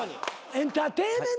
エンターテイメンッ！